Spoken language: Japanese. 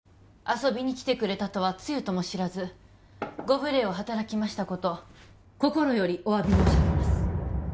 遊びに来てくれたとはつゆとも知らずご無礼を働きましたこと心よりおわび申し上げます